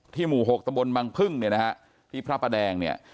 หมู่๖ตำบลบังพึ่งเนี่ยนะฮะที่พระประแดงเนี่ย